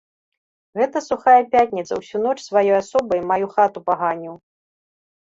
Гэта сухая пятніца ўсю ноч сваёй асобай маю хату паганіў.